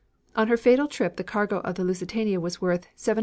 On her fatal trip the cargo of the Lusitania was worth $735,000.